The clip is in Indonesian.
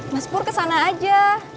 mas pur ke sana aja